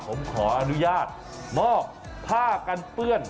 ผมขออนุญาตมอบผ้ากันเปื้อน